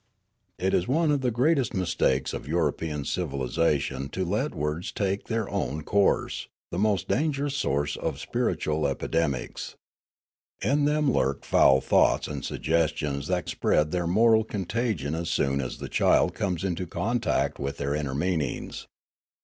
It is one of the greatest mistakes of European civil Noola 391 isation to let words take their own course, the most dangerous source of spiritual epidemics. In them lurk foul thoughts and suggestions that spread their moral contagion as soon as the child comes into contact with their inner meanings.